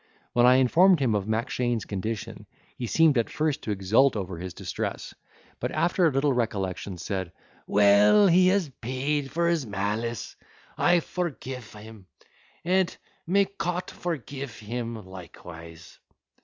When I informed him of Mackshane's condition, he seemed at first to exult over his distress; but, after a little recollection, said, "Well, he has paid for his malice; I forgife him, and may Cot forgife him likewise."